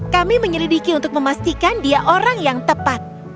kami menyelidiki untuk memastikan dia orang yang tepat